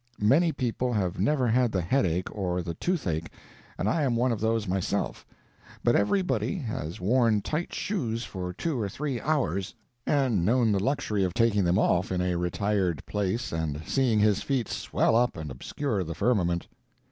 Many people have never had the headache or the toothache, and I am one of those myself; but everybody has worn tight shoes for two or three hours, and known the luxury of taking them off in a retired place and seeing his feet swell up and obscure the firmament.